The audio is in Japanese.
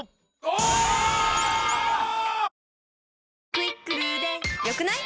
「『クイックル』で良くない？」